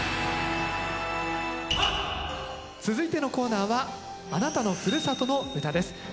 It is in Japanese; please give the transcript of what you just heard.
続いてのコーナーは「あなたのふるさとの唄」です。